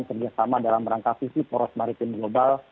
kerjasama dalam rangka visi poros maritim global